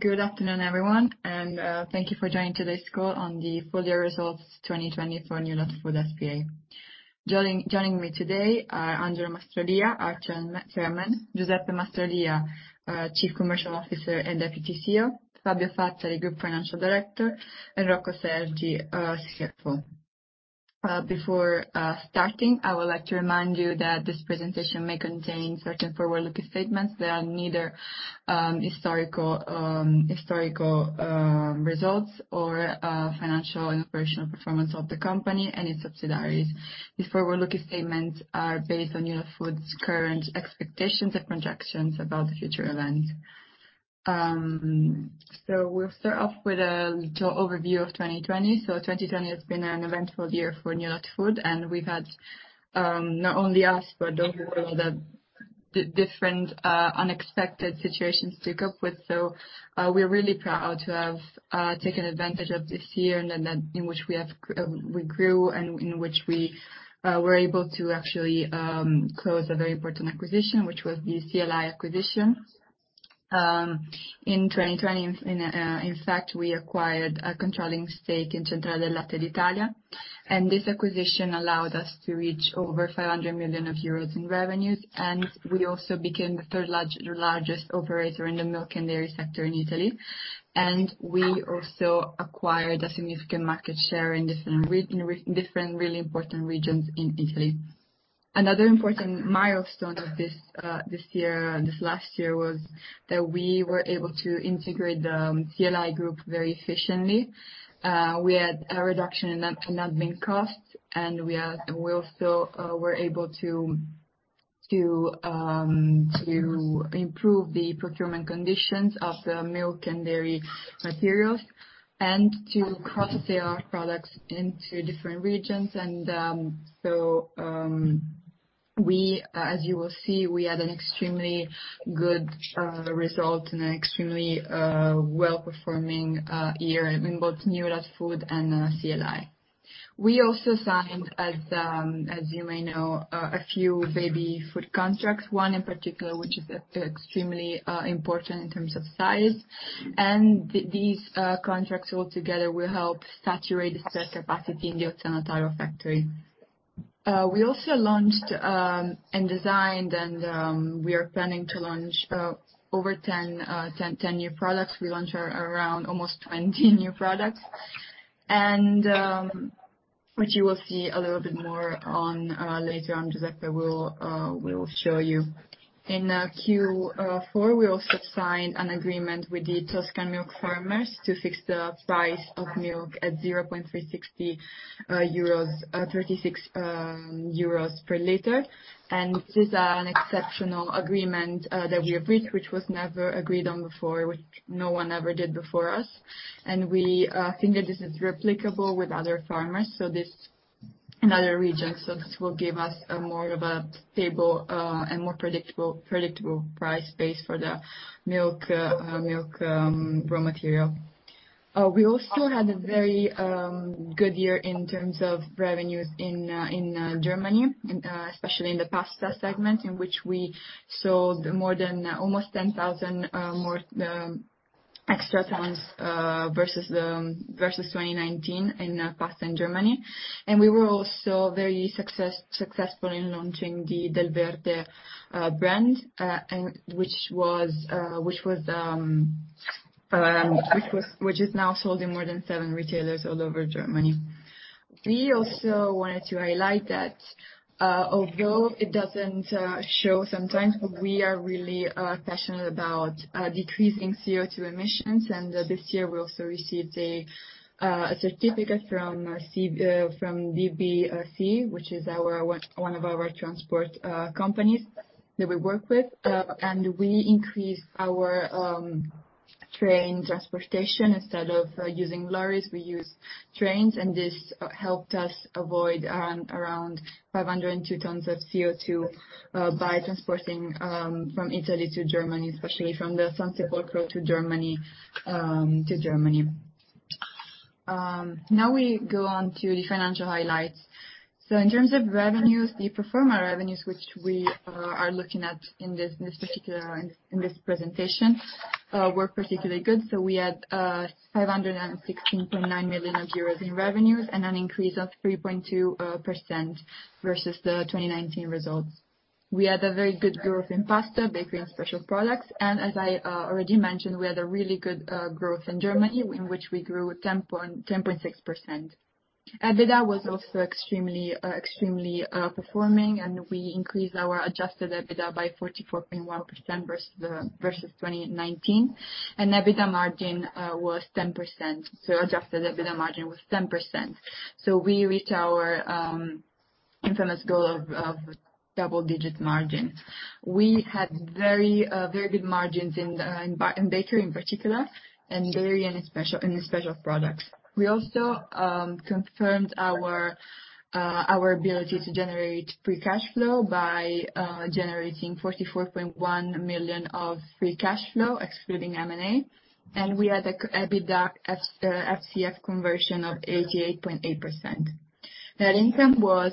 Good afternoon, everyone, and thank you for joining today's call on the Full-year Results 2020 for Newlat Food S.p.A. Joining me today are Angelo Mastrolia, our Chairman, Giuseppe Mastrolia, Chief Commercial Officer and Deputy CEO, Fabio Fazzari, Group Financial Director, and Rocco Sergi, CFO. Before starting, I would like to remind you that this presentation may contain certain forward-looking statements that are neither historical results nor financial and operational performance of the company and its subsidiaries. These forward-looking statements are based on Newlat Food's current expectations and projections about the future events. So we'll start off with a little overview of 2020. So 2020 has been an eventful year for Newlat Food, and we've had not only us, but those who were in the different unexpected situations to cope with. We're really proud to have taken advantage of this year in which we grew and in which we were able to actually close a very important acquisition, which was the CLI acquisition. In 2020, in fact, we acquired a controlling stake in Centrale del Latte d'Italia, and this acquisition allowed us to reach over 500 million euros in revenues. And we also became the third largest operator in the milk and dairy sector in Italy, and we also acquired a significant market share in different really important regions in Italy. Another important milestone of this last year was that we were able to integrate the CLI group very efficiently. We had a reduction in admin costs, and we also were able to improve the procurement conditions of the milk and dairy materials and to cross-sell our products into different regions. We, as you will see, we had an extremely good result and an extremely well-performing year in both Newlat Food and CLI. We also signed, as you may know, a few baby food contracts, one in particular, which is extremely important in terms of size. These contracts altogether will help saturate the spare capacity in the Ozzano Taro factory. We also launched and designed, and we are planning to launch over 10 new products. We launched around almost 20 new products, which you will see a little bit more on later on. Giuseppe will show you. In Q4, we also signed an agreement with the Tuscan milk farmers to fix the price of milk at 36.36 euros per liter. This is an exceptional agreement that we have reached, which was never agreed on before, which no one ever did before us. We think that this is replicable with other farmers in other regions. This will give us more of a stable and more predictable price base for the milk raw material. We also had a very good year in terms of revenues in Germany, especially in the pasta segment, in which we sold more than almost 10,000 more extra tons versus 2019 in pasta in Germany. We were also very successful in launching the Delverde brand, which was now sold in more than seven retailers all over Germany. We also wanted to highlight that although it doesn't show sometimes, we are really passionate about decreasing CO2 emissions. This year, we also received a certificate from DB Cargo, which is one of our transport companies that we work with. We increased our train transportation. Instead of using lorries, we used trains, and this helped us avoid around 502 tons of CO2 by transporting from Italy to Germany, especially from the Sansepolcro to Germany. Now we go on to the financial highlights. So in terms of revenues, the pro forma revenues, which we are looking at in this particular presentation, were particularly good. So we had 516.9 million euros in revenues and an increase of 3.2% versus the 2019 results. We had a very good growth in pasta, bakery, and special products. And as I already mentioned, we had a really good growth in Germany, in which we grew 10.6%. EBITDA was also extremely performing, and we increased our adjusted EBITDA by 44.1% versus 2019. And EBITDA margin was 10%. So adjusted EBITDA margin was 10%. So we reached our infamous goal of double-digit margins. We had very good margins in bakery in particular and dairy and in special products. We also confirmed our ability to generate free cash flow by generating 44.1 million of free cash flow, excluding M&A. And we had an EBITDA FCF conversion of 88.8%. Net income was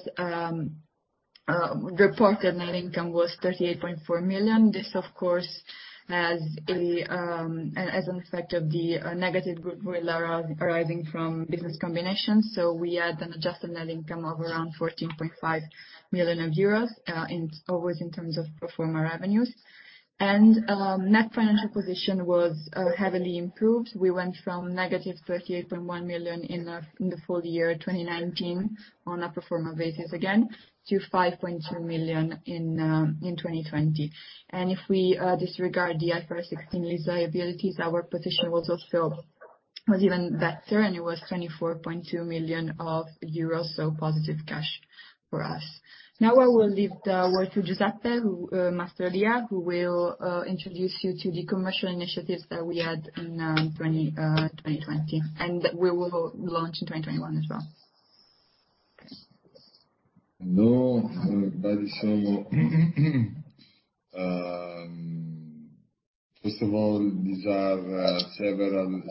reported. Net income was 38.4 million. This, of course, has an effect of the negative goodwill arising from business combinations. So we had an adjusted net income of around 14.5 million euros always in terms of pro forma revenues. And net financial position was heavily improved. We went from negative 38.1 million in the full year 2019 on a pro forma basis again to 5.2 million in 2020. And if we disregard the IFRS 16 liabilities, our position was even better, and it was 24.2 million euros or so positive cash for us. Now I will leave the word to Giuseppe Mastrolia, who will introduce you to the commercial initiatives that we had in 2020 and that we will launch in 2021 as well. Hello. First of all, these are several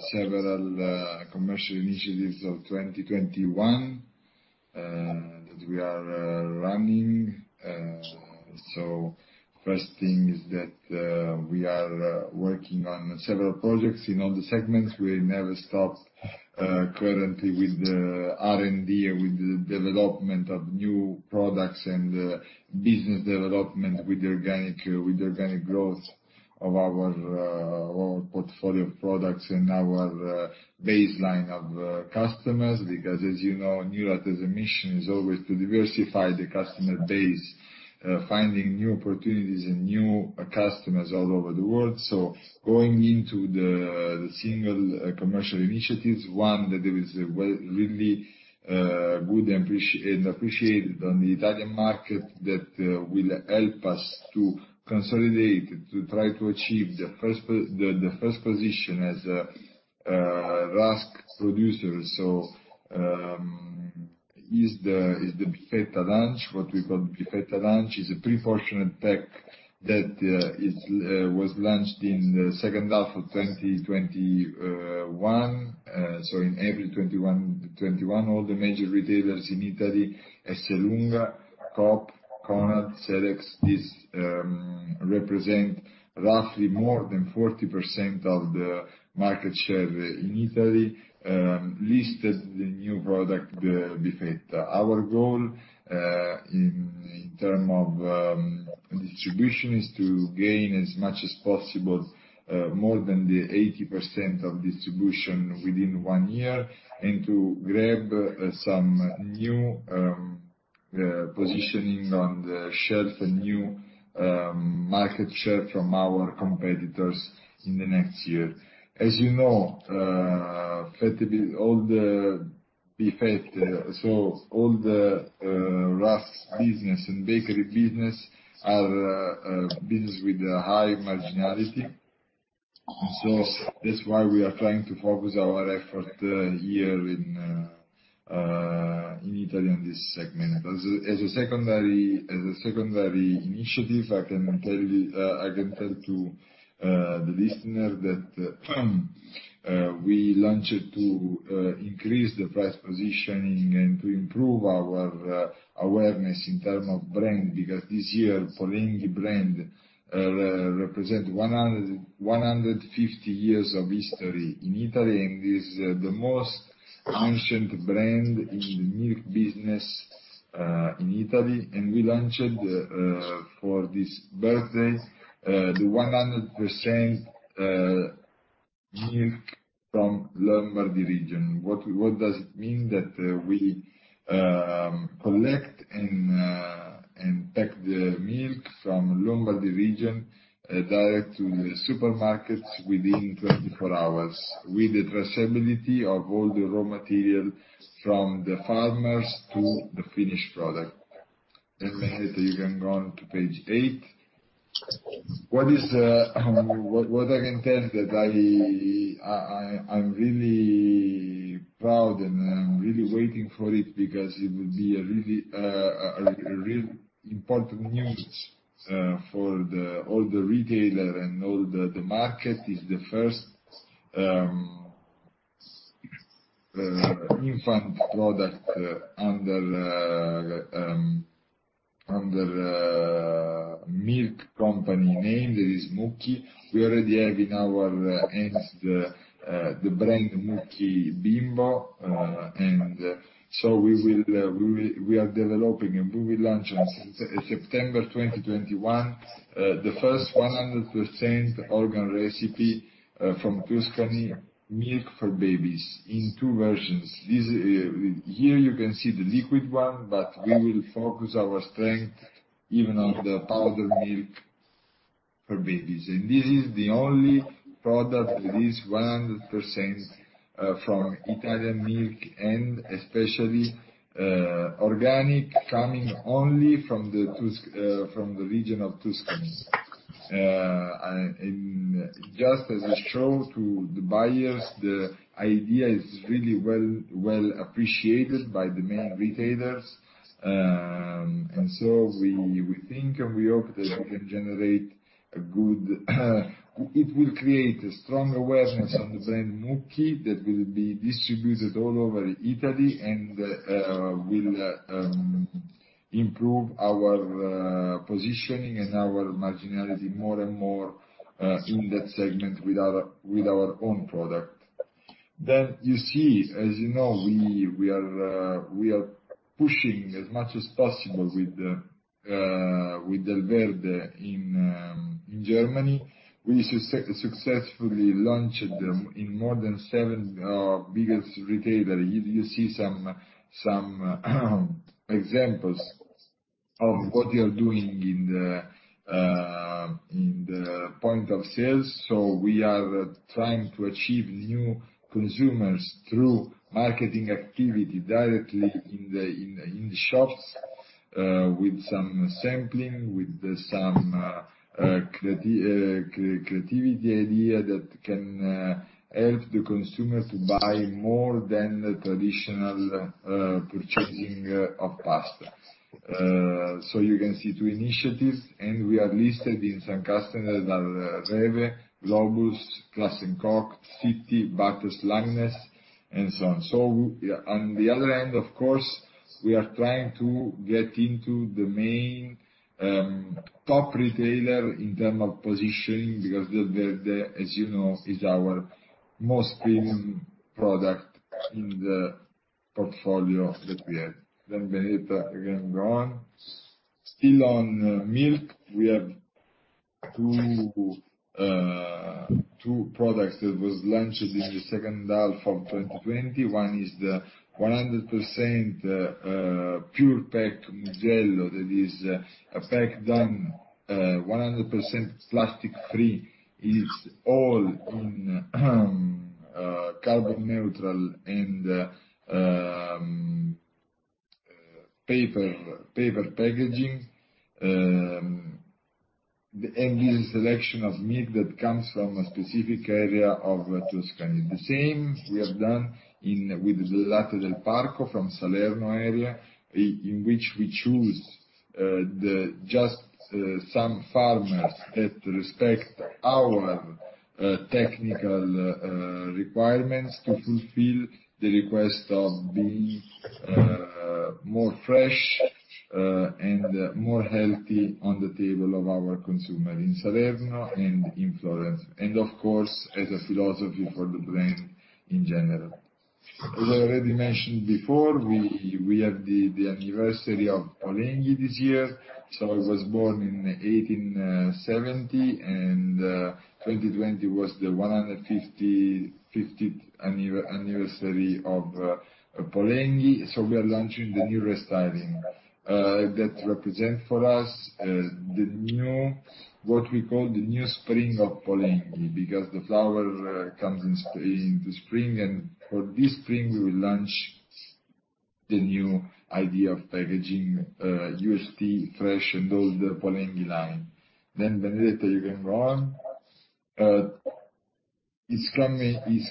commercial initiatives of 2021 that we are running. So first thing is that we are working on several projects in all the segments. We never stopped currently with the R&D and with the development of new products and business development with the organic growth of our portfolio of products and our baseline of customers. Because, as you know, Newlat has a mission that is always to diversify the customer base, finding new opportunities and new customers all over the world. So going into the single commercial initiatives, one that is really good and appreciated on the Italian market that will help us to consolidate, to try to achieve the first position as a rusk producer. So is the Bifetta Launch, what we call the Bifetta Launch, is a pre-portioned pack that was launched in the second half of 2021. In April 2021, all the major retailers in Italy, Esselunga, Coop, Conad, Selex, these represent roughly more than 40% of the market share in Italy, listed the new product, the Bifetta. Our goal in terms of distribution is to gain as much as possible, more than 80% of distribution within one year, and to grab some new positioning on the shelf and new market share from our competitors in the next year. As you know, all the Bifetta, so all the rusk business and bakery business are business with high marginality. That's why we are trying to focus our effort here in Italy on this segment. As a secondary initiative, I can tell to the listener that we launched to increase the price positioning and to improve our awareness in terms of brand. Because this year, Polenghi brand represents 150 years of history in Italy, and it is the most ancient brand in the milk business in Italy. And we launched for this birthday the 100% milk from Lombardy region. What does it mean? That we collect and pack the milk from Lombardy region direct to the supermarkets within 24 hours, with the traceability of all the raw material from the farmers to the finished product. And Benedetta, you can go on to page eight. What I can tell is that I'm really proud, and I'm really waiting for it because it will be a really important news for all the retailers and all the markets. It's the first infant product under a milk company name that is Mukki. We already have in our hands the brand Mukki Bimbo. And so we are developing, and we will launch in September 2021 the first 100% organic recipe from Tuscany milk for babies in two versions. Here you can see the liquid one, but we will focus our strength even on the powdered milk for babies. And this is the only product that is 100% from Italian milk and especially organic, coming only from the region of Tuscany. And just as a showcase to the buyers, the idea is really well appreciated by the main retailers. And so we think and we hope that we can generate goodwill. It will create a strong awareness on the brand Mukki that will be distributed all over Italy and will improve our positioning and our marginality more and more in that segment with our own product. Then you see, as you know, we are pushing as much as possible with Delverde in Germany. We successfully launched in more than seven biggest retailers. You see some examples of what we are doing in the point of sales. So we are trying to achieve new consumers through marketing activity directly in the shops with some sampling, with some creativity idea that can help the consumer to buy more than the traditional purchasing of pasta. So you can see two initiatives, and we are listed in some customers that are REWE, Globus, Klaas & Kock, Citti, Bartels-Langness, and so on. So on the other end, of course, we are trying to get into the main top retailer in terms of positioning because Delverde, as you know, is our most premium product in the portfolio that we have. Then Benedetta, you can go on. Still on milk, we have two products that were launched in the second half of 2020. One is the 100% pure pack Mugello that is a pack done 100% plastic-free. It's all in carbon neutral and paper packaging. And this is a selection of milk that comes from a specific area of Tuscany. The same we have done with the Latte del Parco from Salerno area, in which we choose just some farmers that respect our technical requirements to fulfill the request of being more fresh and more healthy on the table of our consumer in Salerno and in Florence. And of course, as a philosophy for the brand in general. As I already mentioned before, we have the anniversary of Polenghi this year. So I was born in 1870, and 2020 was the 150th anniversary of Polenghi. We are launching the new restyling that represents for us what we call the new spring of Polenghi because the flower comes in the spring. For this spring, we will launch the new idea of packaging UHT fresh and all the Polenghi line. Benedetta, you can go on. It's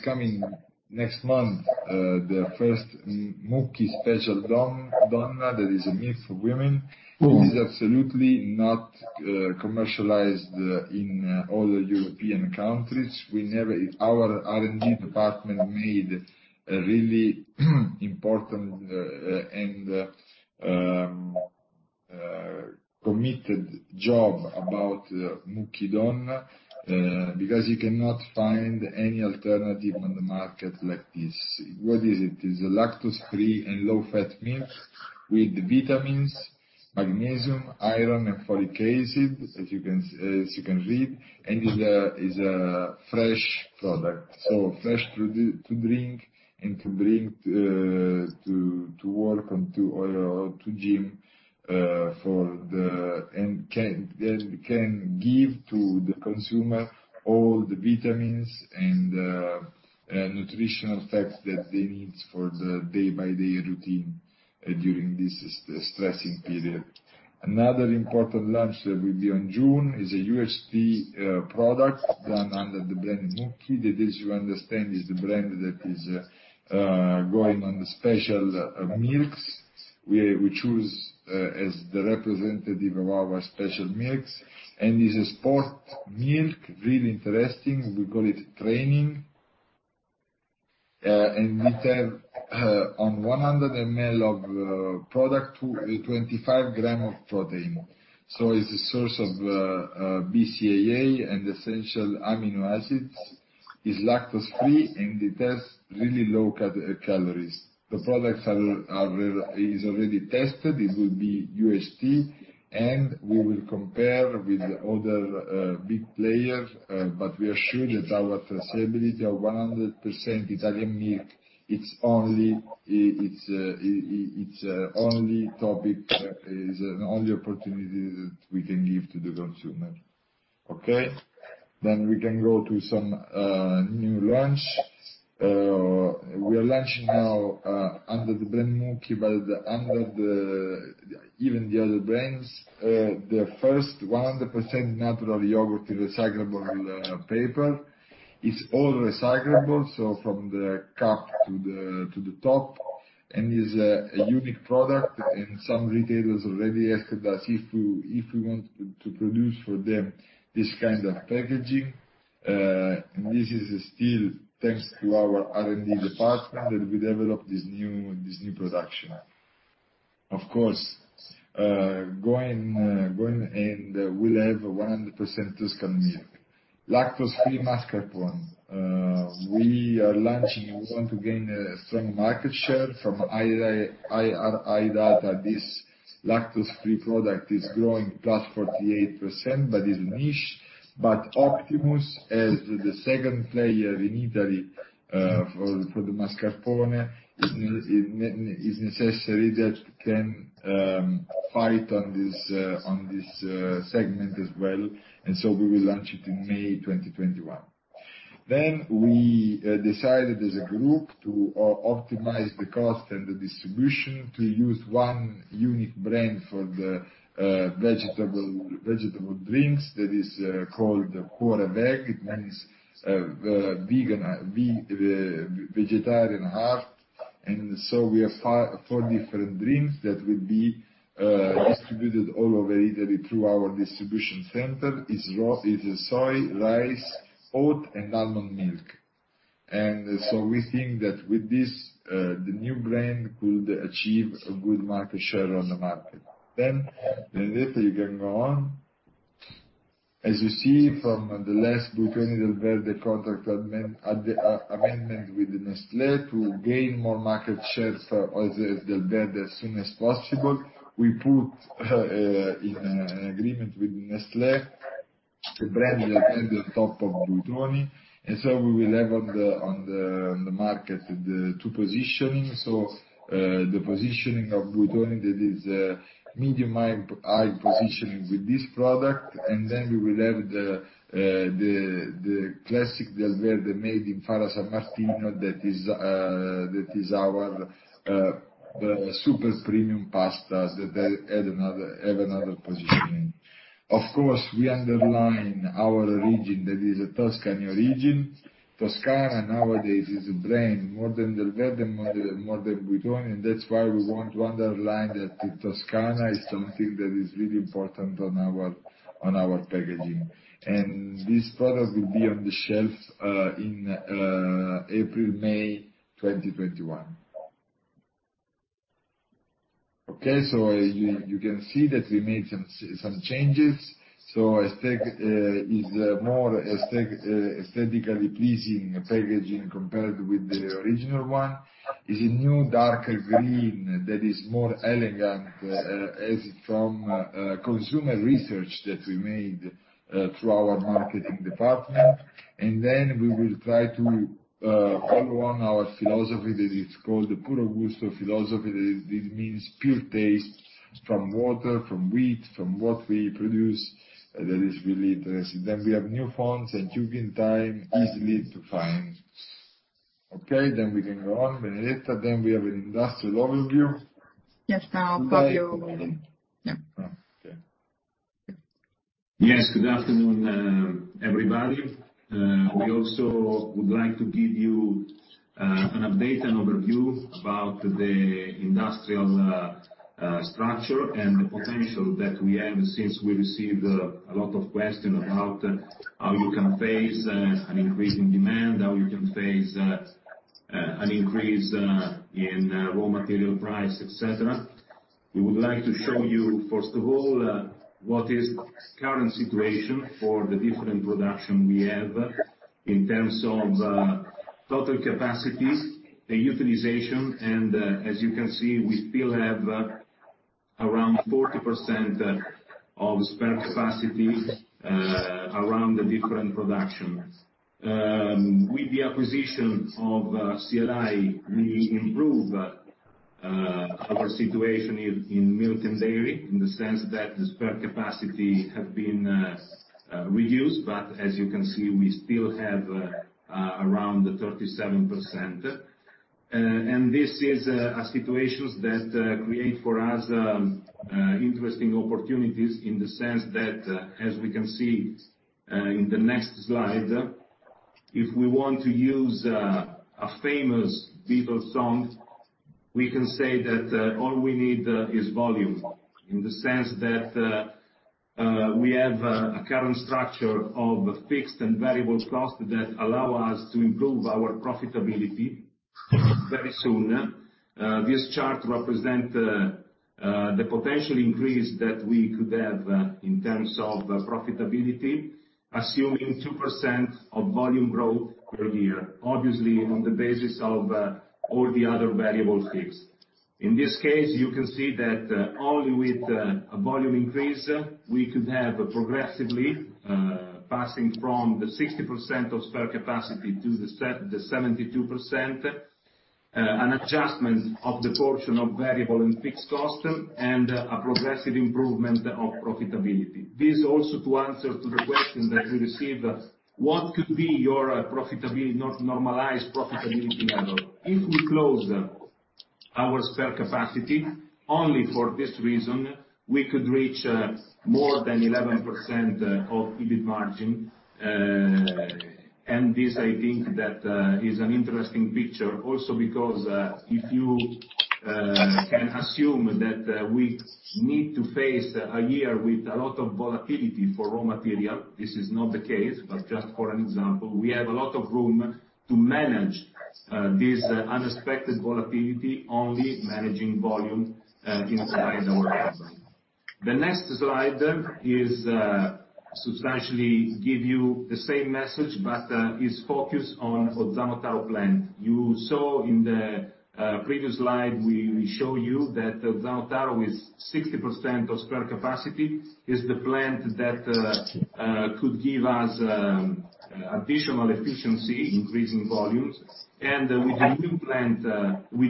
coming next month, the first Mukki Special Donna that is a milk for women. It is absolutely not commercialized in all the European countries. Our R&D department made a really important and committed job about Mukki Donna because you cannot find any alternative on the market like this. What is it? It's a lactose-free and low-fat milk with vitamins, magnesium, iron, and folic acid, as you can read. It is a fresh product. So fresh to drink and to bring to work and to gym for the and can give to the consumer all the vitamins and nutritional facts that they need for the day-by-day routine during this stressing period. Another important launch that will be in June is a UHT product done under the brand Mukki. That is, you understand, is the brand that is going on the special milks. We choose as the representative of our special milks. And this is sport milk, really interesting. We call it training. And we have on 100 ml of product, 25 grams of protein. So it's a source of BCAA and essential amino acids. It's lactose-free, and it has really low calories. The product is already tested. It will be UHT, and we will compare with other big players. But we are sure that our traceability of 100% Italian milk, it's only topic, is the only opportunity that we can give to the consumer. Okay? Then we can go to some new launch. We are launching now under the brand Mukki, but under even the other brands. The first 100% natural yogurt in recyclable paper. It's all recyclable, so from the cup to the top. And it's a unique product. And some retailers already asked us if we want to produce for them this kind of packaging. And this is still thanks to our R&D department that we developed this new production. Of course, going and we'll have 100% Tuscany milk. Lactose-free mascarpone. We are launching and we want to gain a strong market share from IRI data. This lactose-free product is growing plus 48%, but it's a niche. Polenghi, as the second player in Italy for the mascarpone, is necessary that can fight on this segment as well. We will launch it in May 2021. We decided as a group to optimize the cost and the distribution to use one unique brand for the vegetable drinks that is called Puro Veg. It means vegetarian heart. We have four different drinks that will be distributed all over Italy through our distribution center. It's soy, rice, oat, and almond milk. We think that with this, the new brand could achieve a good market share on the market. Benedetta, you can go on. As you see from the last Buitoni-Delverde contract amendment with Nestlé to gain more market share for Delverde as soon as possible. We put in an agreement with Nestlé, the brand on top of Buitoni. And so we will have on the market the two positioning. So the positioning of Buitoni, that is medium-height positioning with this product. And then we will have the classic Delverde made in Fara San Martino that is our super premium pasta that have another positioning. Of course, we underline our region that is Tuscany origin. Toscana nowadays is a brand more than Delverde and more than Buitoni. And that's why we want to underline that Toscana is something that is really important on our packaging. And this product will be on the shelf in April, May 2021. Okay? So you can see that we made some changes. So it's more aesthetically pleasing packaging compared with the original one. It's a new darker green that is more elegant as from consumer research that we made through our marketing department. And then we will try to follow on our philosophy that is called the Puro Gusto philosophy. It means pure taste from water, from wheat, from what we produce that is really interesting. Then we have new formats and cooking time easily to find. Okay? Then we can go on, Benedetta. Then we have an industrial overview. Yes, now Fabio. Yes, good afternoon, everybody. We also would like to give you an update, an overview about the industrial structure and the potential that we have since we received a lot of questions about how you can face an increase in demand, how you can face an increase in raw material price, etc. We would like to show you, first of all, what is the current situation for the different production we have in terms of total capacity, the utilization, and as you can see, we still have around 40% of spare capacity around the different production. With the acquisition of CLI, we improve our situation in milk and dairy in the sense that the spare capacity has been reduced. But as you can see, we still have around 37%. This is a situation that creates for us interesting opportunities in the sense that, as we can see in the next slide, if we want to use a famous Beatles song, we can say that all we need is volume in the sense that we have a current structure of fixed and variable costs that allow us to improve our profitability very soon. This chart represents the potential increase that we could have in terms of profitability, assuming 2% of volume growth per year, obviously on the basis of all the other variables fixed. In this case, you can see that only with a volume increase, we could have progressively passing from the 60% of spare capacity to the 72%, an adjustment of the portion of variable and fixed costs, and a progressive improvement of profitability. This is also to answer to the question that we received, "What could be your normalized profitability level?" If we close our spare capacity only for this reason, we could reach more than 11% of EBIT margin. And this, I think, that is an interesting picture also because if you can assume that we need to face a year with a lot of volatility for raw material, this is not the case, but just for an example, we have a lot of room to manage this unexpected volatility only managing volume inside our company. The next slide is substantially give you the same message, but it's focused on Ozzano Taro plant. You saw in the previous slide, we show you that Ozzano Taro is 60% of spare capacity. It's the plant that could give us additional efficiency, increasing volumes. With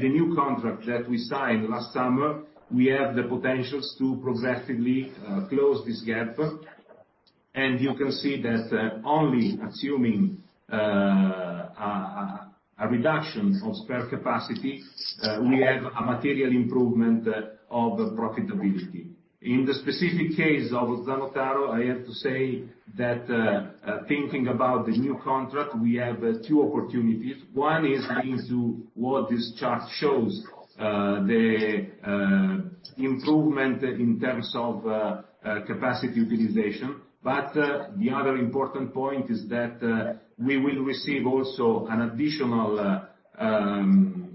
the new contract that we signed last summer, we have the potentials to progressively close this gap. You can see that only assuming a reduction of spare capacity, we have a material improvement of profitability. In the specific case of Ozzano Taro, I have to say that thinking about the new contract, we have two opportunities. One is linked to what this chart shows, the improvement in terms of capacity utilization. The other important point is that we will receive also an additional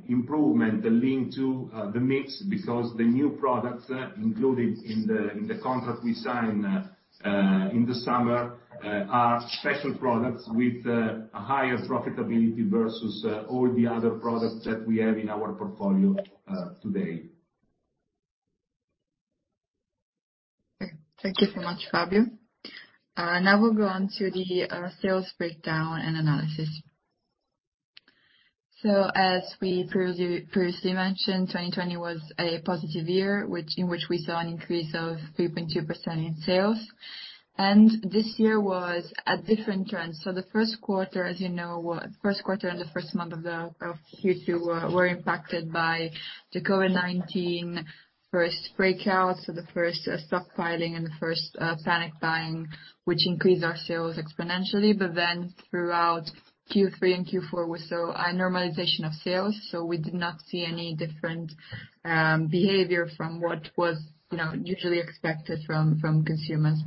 improvement linked to the mix because the new products included in the contract we signed in the summer are special products with a higher profitability versus all the other products that we have in our portfolio today. Thank you so much, Fabio. Now we'll go on to the sales breakdown and analysis, so as we previously mentioned, 2020 was a positive year in which we saw an increase of 3.2% in sales, and this year was a different trend, so the first quarter, as you know, the first quarter and the first month of Q2 were impacted by the COVID-19 first breakout, so the first stockpiling and the first panic buying, which increased our sales exponentially, but then throughout Q3 and Q4, we saw a normalization of sales, so we did not see any different behavior from what was usually expected from consumers,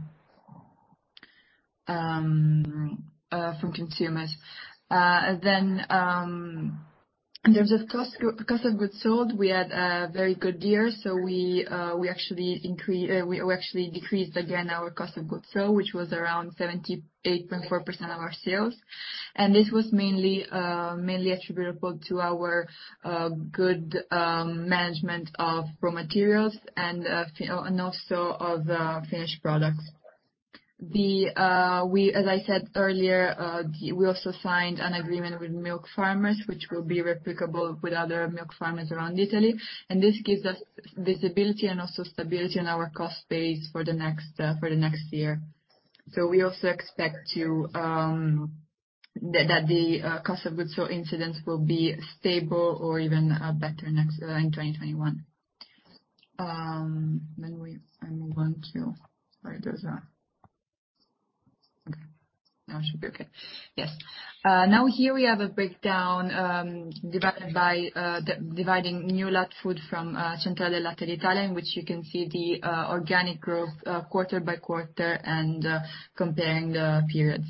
then in terms of cost of goods sold, we had a very good year, so we actually decreased again our cost of goods sold, which was around 78.4% of our sales. And this was mainly attributable to our good management of raw materials and also of finished products. As I said earlier, we also signed an agreement with milk farmers, which will be replicable with other milk farmers around Italy. And this gives us visibility and also stability in our cost base for the next year. So we also expect that the cost of goods sold incidence will be stable or even better in 2021. Then I move on to where those are. Okay. Now it should be okay. Yes. Now here we have a breakdown dividing Newlat Food from Centrale del Latte d'Italia, in which you can see the organic growth quarter by quarter and comparing the periods.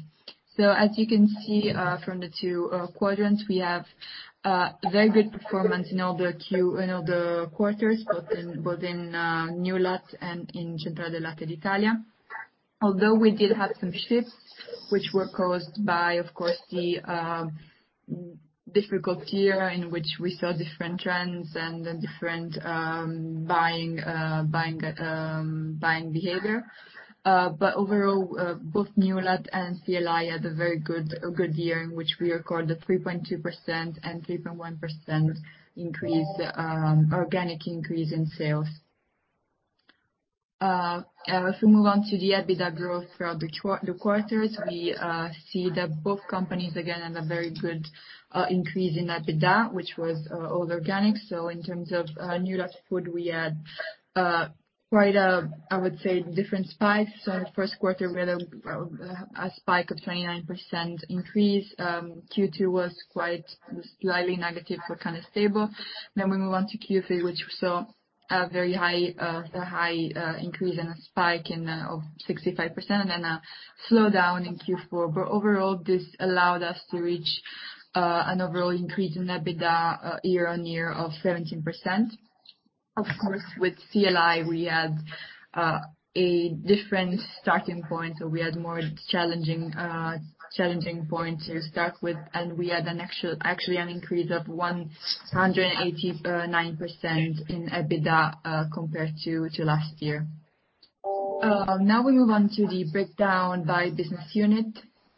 So as you can see from the two quadrants, we have very good performance in all the quarters, both in Newlat Food and in Centrale del Latte d'Italia. Although we did have some shifts, which were caused by, of course, the difficult year in which we saw different trends and different buying behavior. Overall, both Newlat and CLI had a very good year in which we recorded 3.2% and 3.1% organic increase in sales. If we move on to the EBITDA growth throughout the quarters, we see that both companies, again, had a very good increase in EBITDA, which was all organic. In terms of Newlat Food, we had quite a, I would say, different spikes. In the first quarter, we had a spike of 29% increase. Q2 was quite slightly negative but kind of stable. Then we move on to Q3, which we saw a very high increase and a spike of 65% and then a slowdown in Q4. But overall, this allowed us to reach an overall increase in EBITDA year-on-year of 17%. Of course, with CLI, we had a different starting point, so we had more challenging points to start with. And we had actually an increase of 189% in EBITDA compared to last year. Now we move on to the breakdown by business unit.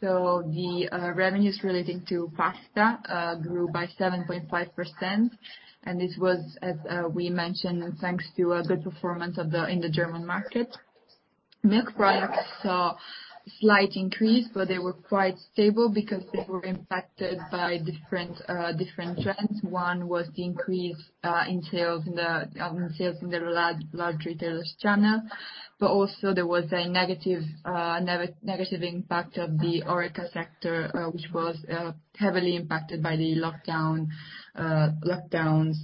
So the revenues relating to pasta grew by 7.5%. And this was, as we mentioned, thanks to good performance in the German market. Milk products saw a slight increase, but they were quite stable because they were impacted by different trends. One was the increase in sales in the large retailers' channel. But also there was a negative impact of the HoReCa sector, which was heavily impacted by the lockdowns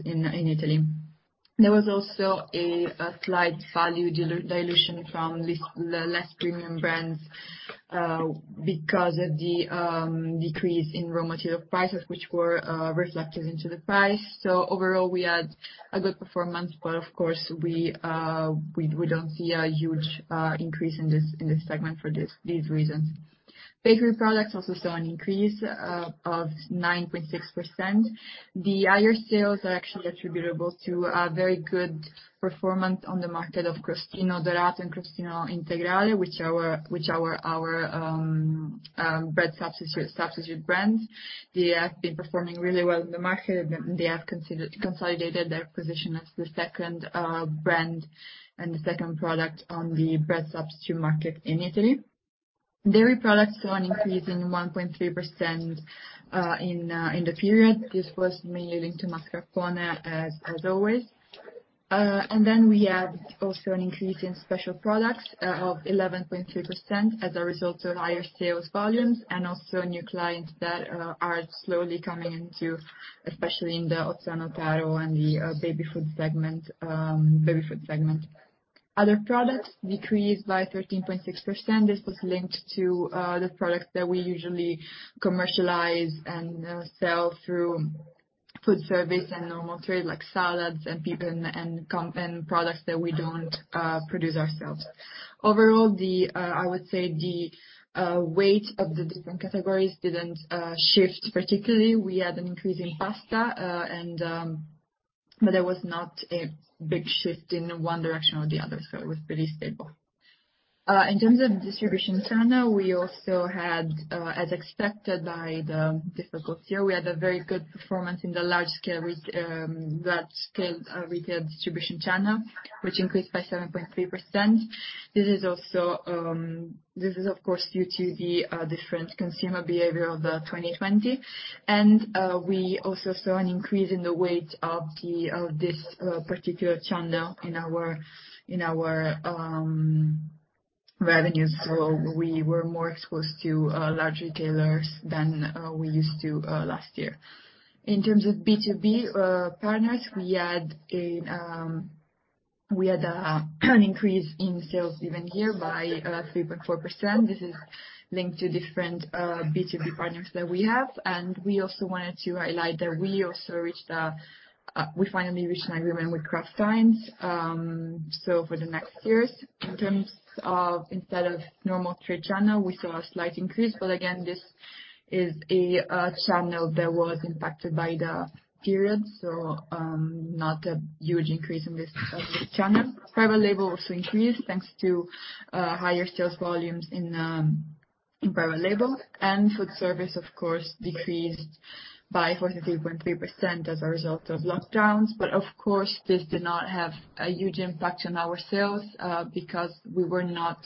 in Italy. There was also a slight value dilution from these less premium brands because of the decrease in raw material prices, which were reflected into the price. So overall, we had a good performance, but of course, we don't see a huge increase in this segment for these reasons. Bakery products also saw an increase of 9.6%. The higher sales are actually attributable to a very good performance on the market of Crostino Dorato and Crostino Integrale, which are our bread substitute brands. They have been performing really well in the market, and they have consolidated their position as the second brand and the second product on the bread substitute market in Italy. Dairy products saw an increase in 1.3% in the period. This was mainly linked to mascarpone, as always. We had also an increase in special products of 11.3% as a result of higher sales volumes and also new clients that are slowly coming in, especially in the Ozzano Taro and the baby food segment. Other products decreased by 13.6%. This was linked to the products that we usually commercialize and sell through food service and normal trade like salads and products that we don't produce ourselves. Overall, I would say the weight of the different categories didn't shift particularly. We had an increase in pasta, but there was not a big shift in one direction or the other. So it was pretty stable. In terms of distribution channel, we also had, as expected by the difficult year, we had a very good performance in the large-scale retail distribution channel, which increased by 7.3%. This is, of course, due to the different consumer behavior of 2020. And we also saw an increase in the weight of this particular channel in our revenues. So we were more exposed to large retailers than we used to last year. In terms of B2B partners, we had an increase in sales even here by 3.4%. This is linked to different B2B partners that we have. And we also wanted to highlight that we finally reached an agreement with Cross Green for the next years. In terms of instead of normal trade channel, we saw a slight increase. But again, this is a channel that was impacted by the period, so not a huge increase in this channel. Private label also increased thanks to higher sales volumes in private label. And food service, of course, decreased by 43.3% as a result of lockdowns. But of course, this did not have a huge impact on our sales because we were not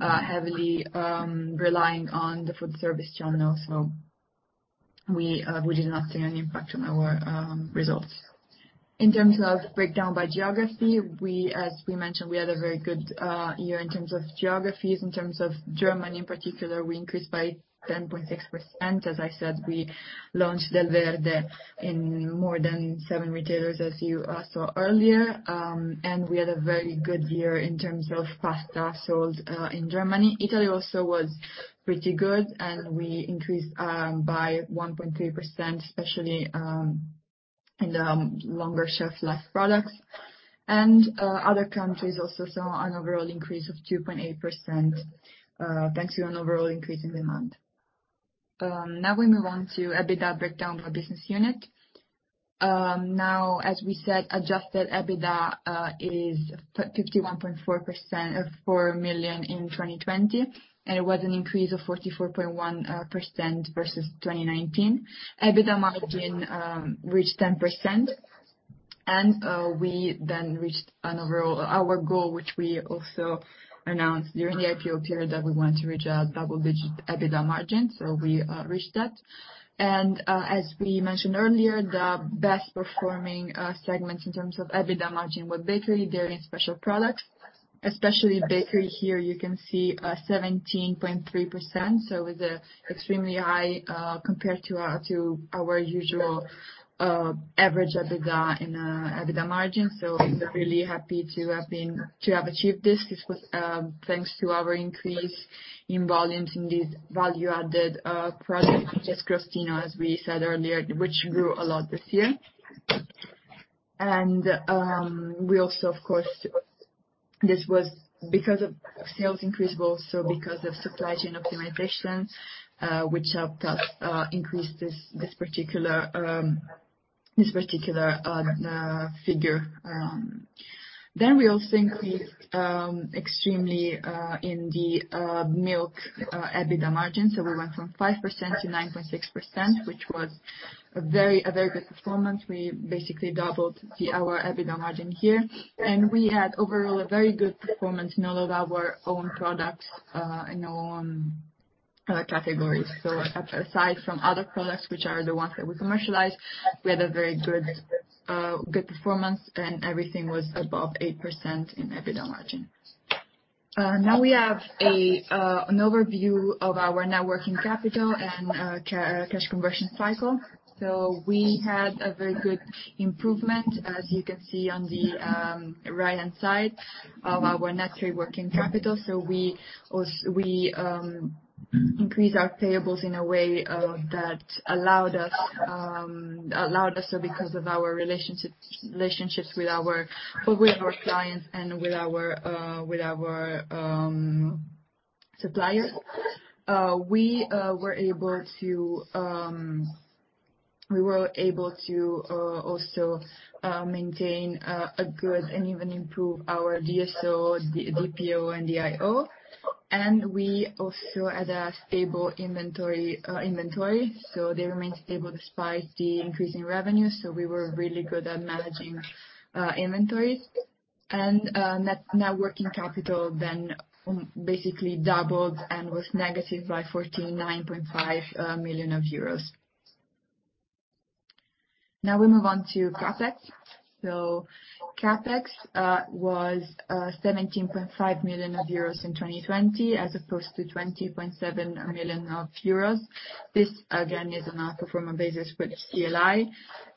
heavily relying on the food service channel. So we did not see an impact on our results. In terms of breakdown by geography, as we mentioned, we had a very good year in terms of geographies. In terms of Germany in particular, we increased by 10.6%. As I said, we launched Delverde in more than seven retailers, as you saw earlier. And we had a very good year in terms of pasta sold in Germany. Italy also was pretty good, and we increased by 1.3%, especially in the longer shelf life products. And other countries also saw an overall increase of 2.8% thanks to an overall increase in demand. Now we move on to EBITDA breakdown by business unit. Now, as we said, adjusted EBITDA is 51.4 million in 2020, and it was an increase of 44.1% versus 2019. EBITDA margin reached 10%, and we then reached our goal, which we also announced during the IPO period that we wanted to reach a double-digit EBITDA margin, so we reached that. As we mentioned earlier, the best-performing segments in terms of EBITDA margin were bakery, dairy, and special products. Especially bakery here, you can see 17.3%, so it was extremely high compared to our usual average EBITDA and EBITDA margin. We're really happy to have achieved this. This was thanks to our increase in volumes in these value-added products, such as Crostino, as we said earlier, which grew a lot this year, and we also, of course, this was because of sales increase, but also because of supply chain optimization, which helped us increase this particular figure. Then we also increased extremely in the milk EBITDA margin. So we went from 5% to 9.6%, which was a very good performance. We basically doubled our EBITDA margin here. And we had overall a very good performance in all of our own products and our own categories. So aside from other products, which are the ones that we commercialize, we had a very good performance, and everything was above 8% in EBITDA margin. Now we have an overview of our net working capital and cash conversion cycle. So we had a very good improvement, as you can see on the right-hand side of our net free working capital. So we increased our payables in a way that allowed us, because of our relationships with our clients and with our suppliers, we were able to also maintain a good and even improve our DSO, DPO, and DIO. We also had a stable inventory. They remained stable despite the increase in revenue. We were really good at managing inventories. Net working capital then basically doubled and was negative by 49.5 million euros. Now we move on to CapEx. CapEx was 17.5 million euros in 2020, as opposed to 20.7 million euros. This, again, is on a pro forma basis with CLI.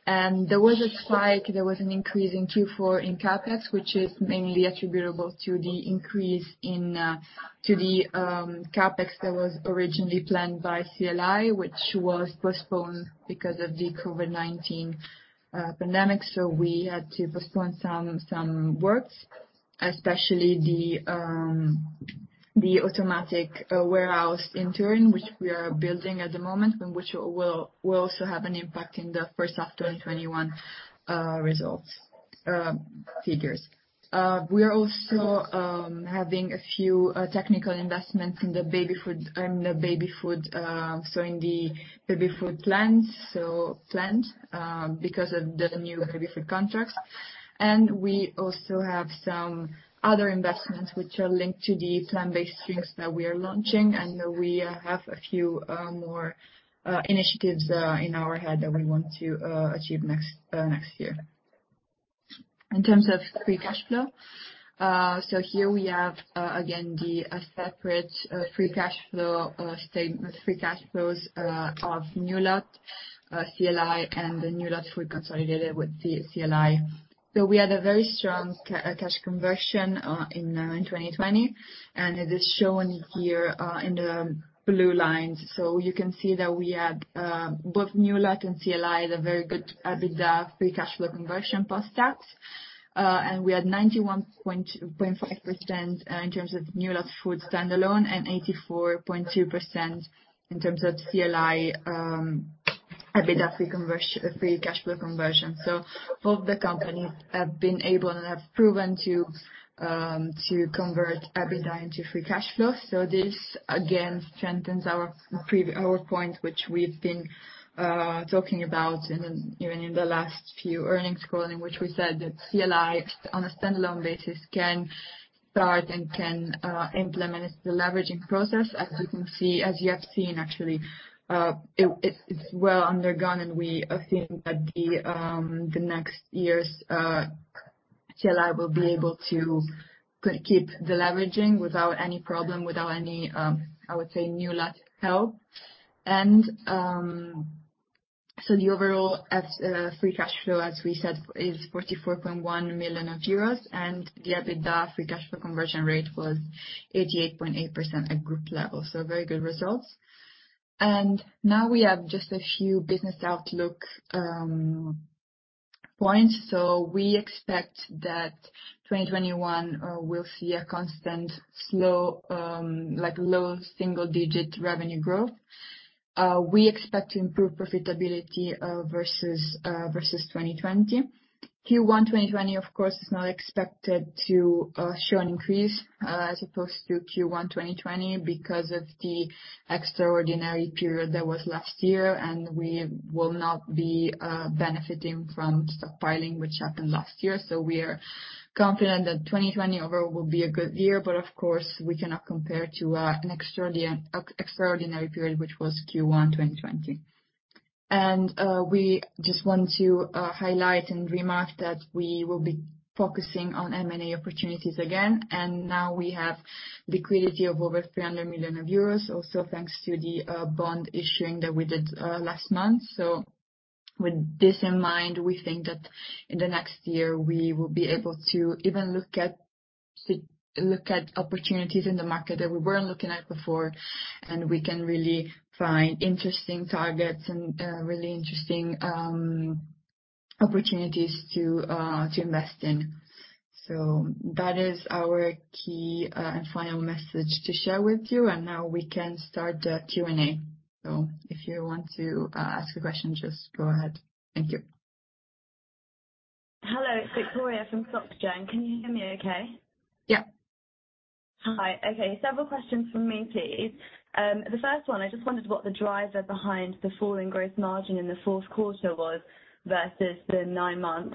There was a spike. There was an increase in Q4 in CapEx, which is mainly attributable to the increase in CapEx that was originally planned by CLI, which was postponed because of the COVID-19 pandemic. We had to postpone some works, especially the automatic warehouse in Turin, which we are building at the moment, which will also have an impact in the first half of 2021 results figures. We are also having a few technical investments in the baby food, so in the baby food plant because of the new baby food contracts. And we also have some other investments, which are linked to the plant-based strings that we are launching. And we have a few more initiatives in our head that we want to achieve next year. In terms of free cash flow, so here we have, again, the separate free cash flows of Newlat, CLI, and the Newlat Food consolidated with CLI. So we had a very strong cash conversion in 2020, and it is shown here in the blue lines. So you can see that we had both Newlat and CLI, the very good EBITDA free cash flow conversion post-tax. And we had 91.5% in terms of Newlat Food standalone and 84.2% in terms of CLI EBITDA free cash flow conversion. So both the companies have been able and have proven to convert EBITDA into free cash flow. So this, again, strengthens our point, which we've been talking about even in the last few earnings calls, in which we said that CLI, on a standalone basis, can start and can implement the leveraging process. As you can see, as you have seen, actually, it's well under way, and we think that the next year's CLI will be able to keep the leveraging without any problem, without any, I would say, Newlat help. And so the overall free cash flow, as we said, is 44.1 million euros, and the EBITDA free cash flow conversion rate was 88.8% at group level. So very good results. And now we have just a few business outlook points. So we expect that 2021 will see a constant low single-digit revenue growth. We expect to improve profitability versus 2020. Q1 2020, of course, is not expected to show an increase as opposed to Q1 2020 because of the extraordinary period that was last year, and we will not be benefiting from stockpiling, which happened last year, so we are confident that 2020 overall will be a good year, but of course, we cannot compare to an extraordinary period, which was Q1 2020, and we just want to highlight and remark that we will be focusing on M&A opportunities again. And now we have liquidity of over 300 million euros, also thanks to the bond issuing that we did last month. So with this in mind, we think that in the next year, we will be able to even look at opportunities in the market that we weren't looking at before, and we can really find interesting targets and really interesting opportunities to invest in. So that is our key and final message to share with you. And now we can start the Q&A. So if you want to ask a question, just go ahead. Thank you. Hello, it's Victoria from Société Générale. Can you hear me okay? Yep. Hi. Okay. Several questions for me, please. The first one, I just wondered what the driver behind the fall in gross margin in the fourth quarter was versus the nine-month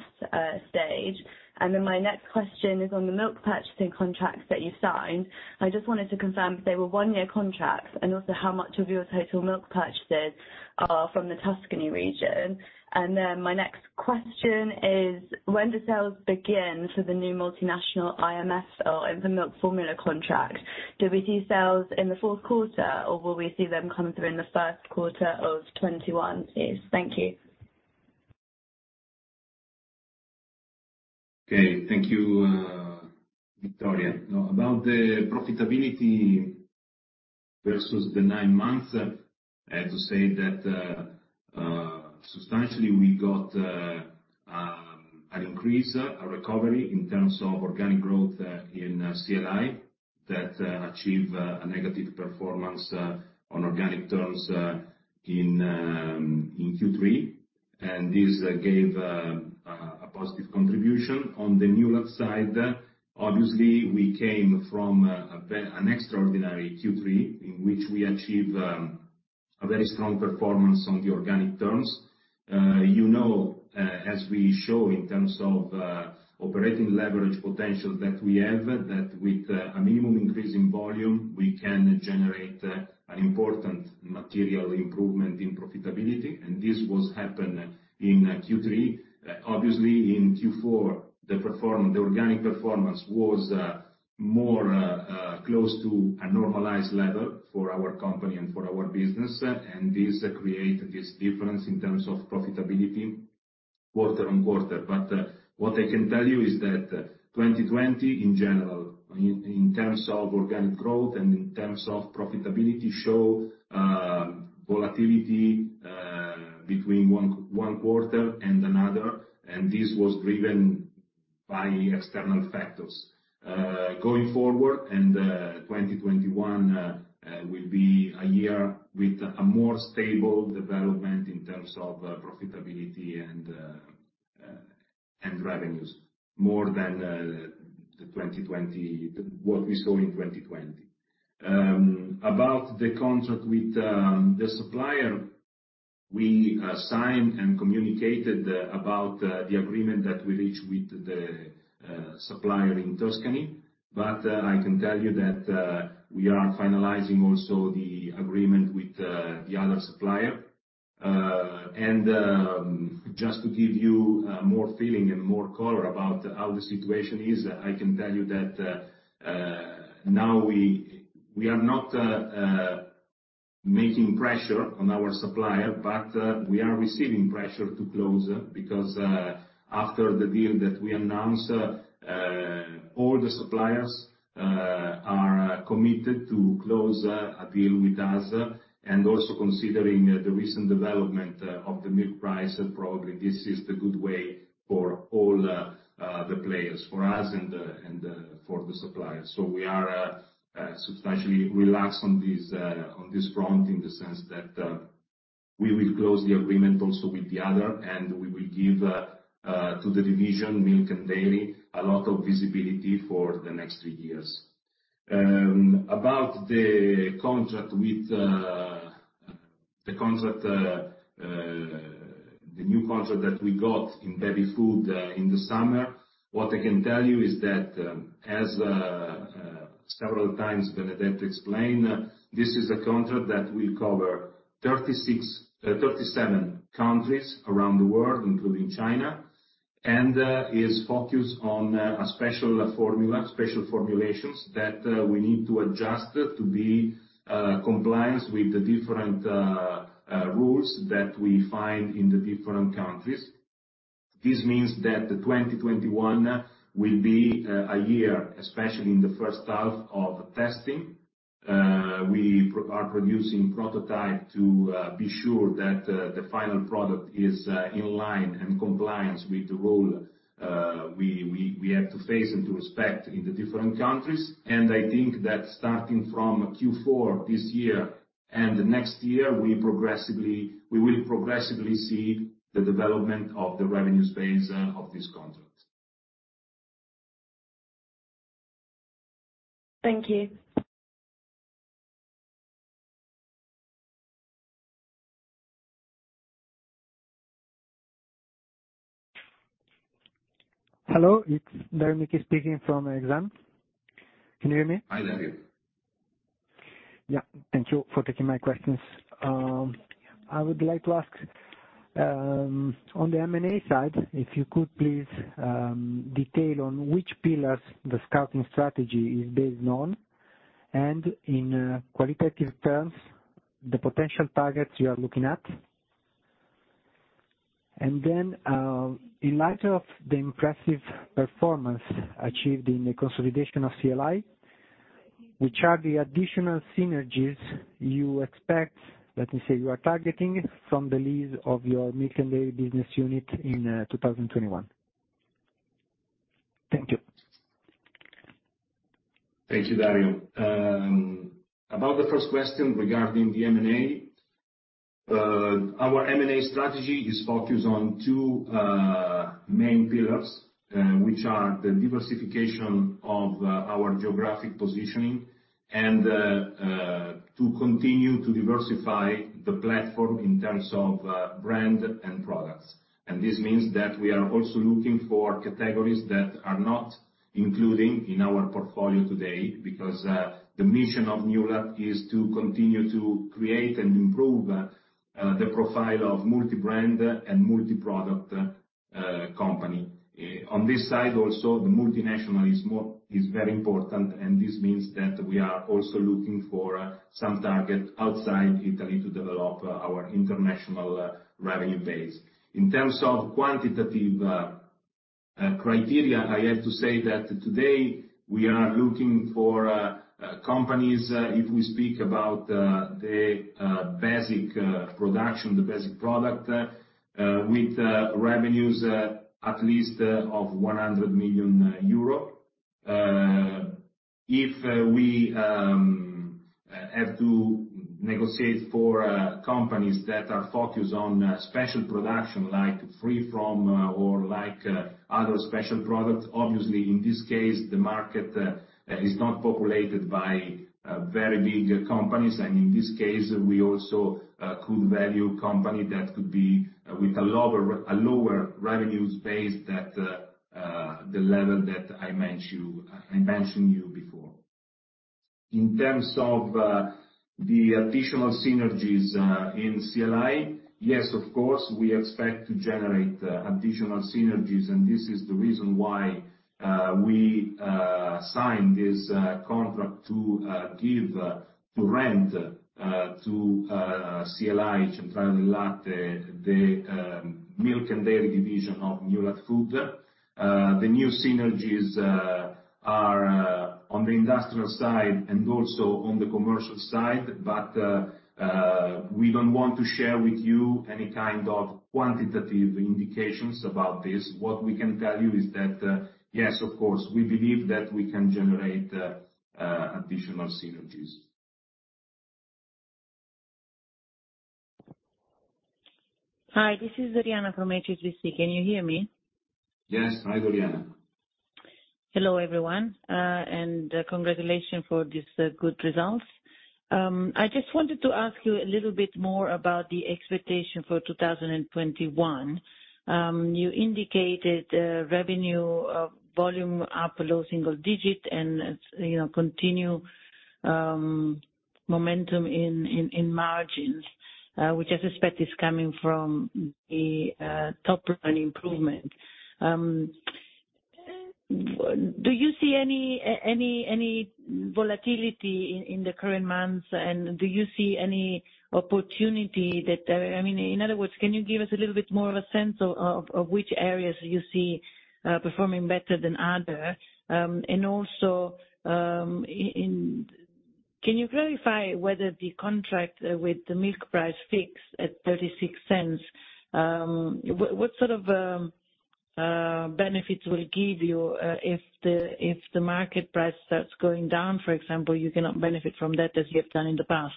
stage. And then my next question is on the milk purchasing contracts that you signed. I just wanted to confirm that they were one-year contracts and also how much of your total milk purchases are from the Tuscany region. And then my next question is, when do sales begin for the new multinational IMF or infant milk formula contract? Do we see sales in the fourth quarter, or will we see them come through in the first quarter of 2021? Please. Thank you. Okay. Thank you, Victoria. Now, about the profitability versus the nine months, I have to say that substantially we got an increase, a recovery in terms of organic growth in CLI that achieved a negative performance on organic terms in Q3. And this gave a positive contribution. On the Newlat side, obviously, we came from an extraordinary Q3 in which we achieved a very strong performance on the organic terms. You know, as we show in terms of operating leverage potential that we have, that with a minimum increase in volume, we can generate an important material improvement in profitability. And this was happening in Q3. Obviously, in Q4, the organic performance was more close to a normalized level for our company and for our business. And this created this difference in terms of profitability quarter on quarter. But what I can tell you is that 2020, in general, in terms of organic growth and in terms of profitability, showed volatility between one quarter and another. And this was driven by external factors. Going forward, and 2021 will be a year with a more stable development in terms of profitability and revenues, more than what we saw in 2020. About the contract with the supplier, we signed and communicated about the agreement that we reached with the supplier in Tuscany. But I can tell you that we are finalizing also the agreement with the other supplier. Just to give you more feeling and more color about how the situation is, I can tell you that now we are not making pressure on our supplier, but we are receiving pressure to close because after the deal that we announced, all the suppliers are committed to close a deal with us. Also considering the recent development of the milk price, probably this is the good way for all the players, for us and for the suppliers. We are substantially relaxed on this front in the sense that we will close the agreement also with the other, and we will give to the division, milk and dairy, a lot of visibility for the next three years. About the contract with the new contract that we got in baby food in the summer, what I can tell you is that, as several times Benedetta explained, this is a contract that will cover 37 countries around the world, including China, and is focused on special formulations that we need to adjust to be compliant with the different rules that we find in the different countries. This means that 2021 will be a year, especially in the first half of testing. We are producing prototypes to be sure that the final product is in line and compliant with the rule we have to face and to respect in the different countries. And I think that starting from Q4 this year and next year, we will progressively see the development of the revenue space of this contract. Thank you. Hello, it's Dario speaking from Exane. Can you hear me? Hi, Dario. Yeah. Thank you for taking my questions. I would like to ask, on the M&A side, if you could please detail on which pillars the scouting strategy is based on, and in qualitative terms, the potential targets you are looking at. And then, in light of the impressive performance achieved in the consolidation of CLI, which are the additional synergies you expect, let me say, you are targeting from the lead of your milk and dairy business unit in 2021? Thank you. Thank you, Dario. About the first question regarding the M&A, our M&A strategy is focused on two main pillars, which are the diversification of our geographic positioning and to continue to diversify the platform in terms of brand and products, and this means that we are also looking for categories that are not included in our portfolio today because the mission of Newlat is to continue to create and improve the profile of multi-brand and multi-product company. On this side, also, the multinational is very important, and this means that we are also looking for some target outside Italy to develop our international revenue base. In terms of quantitative criteria, I have to say that today we are looking for companies if we speak about the basic production, the basic product, with revenues at least of 100 million euro. If we have to negotiate for companies that are focused on special production like free from or like other special products, obviously, in this case, the market is not populated by very big companies, and in this case, we also could value a company that could be with a lower revenue space than the level that I mentioned to you before. In terms of the additional synergies in CLI, yes, of course, we expect to generate additional synergies, and this is the reason why we signed this contract to rent to CLI, Centrale del Latte, the milk and dairy division of Newlat Food. The new synergies are on the industrial side and also on the commercial side, but we don't want to share with you any kind of quantitative indications about this. What we can tell you is that, yes, of course, we believe that we can generate additional synergies. Hi, this is Doriana from HSBC. Can you hear me? Yes. Hi, Doriana. Hello, everyone, and congratulations for these good results. I just wanted to ask you a little bit more about the expectation for 2021. You indicated revenue volume up a low single digit and continue momentum in margins, which I suspect is coming from the top line improvement. Do you see any volatility in the current months, and do you see any opportunity that I mean, in other words, can you give us a little bit more of a sense of which areas you see performing better than other? And also, can you clarify whether the contract with the milk price fixed at 0.36, what sort of benefits will give you if the market price starts going down? For example, you cannot benefit from that as you have done in the past.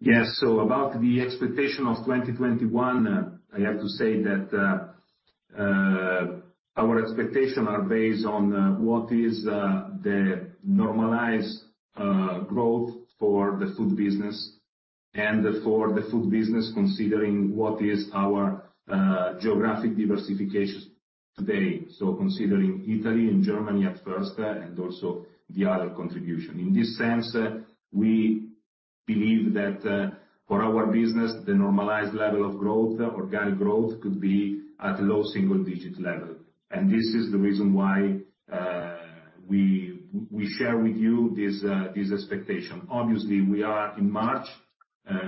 Yes. So about the expectation of 2021, I have to say that our expectations are based on what is the normalized growth for the food business and for the food business, considering what is our geographic diversification today. Considering Italy and Germany at first and also the other contribution. In this sense, we believe that for our business, the normalized level of growth, organic growth, could be at a low single digit level. This is the reason why we share with you this expectation. Obviously, we are in March,